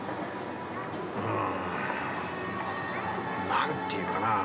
何て言うかな